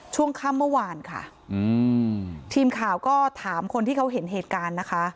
ช่วงค่ำเมื่อวานค่ะอืมทีมข่าวก็ถามคนที่เขาเห็นเหตุการณ์นะคะ